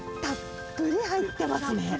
たっぷり入ってますね。